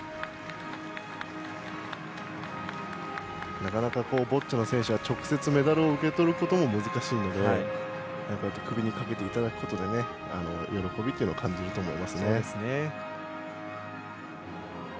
なかなかボッチャの選手は直接メダルを受け取ることも難しいので、ああやって首にかけていただくことで喜びを感じると思います。